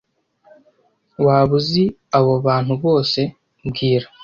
Waba uzi abo bantu bose mbwira